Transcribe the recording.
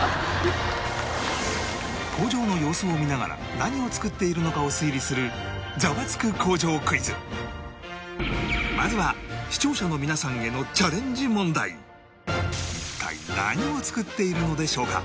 工場の様子を見ながら何を作っているのかを推理するまずは視聴者の皆さんへの一体何を作っているのでしょうか？